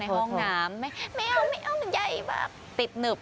ในห้องน้ำไม่เอาใหญ่แบบติดหนึบ